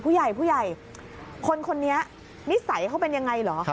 ผู้ใหญ่ผู้ใหญ่คนคนนี้นิสัยเขาเป็นยังไงเหรอ